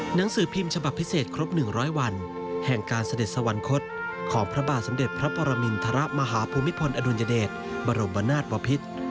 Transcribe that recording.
หนังสือพิมพ์ฉบับพิเศษครบ๑๐๐วันแห่งการเสด็จสวรรคตของพระบาทสมเด็จพระปรมินทรมาฮภูมิพลอดุลยเดชบรมนาศบพิษ